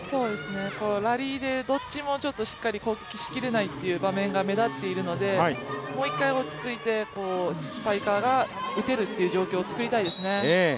ラリーでどっちもしっかりしきれない部分が目立っているので、もう一回落ち着いてスパイカーが打てる状況をつくりたいですね。